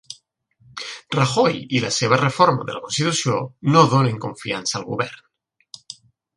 Rajoy i la seva reforma de la constitució no donen confiança al govern